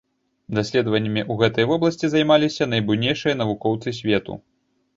Даследаваннямі ў гэтай вобласці займаліся найбуйнейшыя навукоўцы свету.